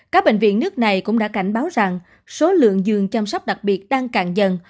các bệnh viện nước này cũng đã cảnh báo rằng số lượng giường chăm sóc đặc biệt đang càng dần